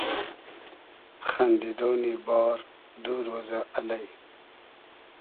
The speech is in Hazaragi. خئندیدۉنی بار دو رۉزۂ الݷ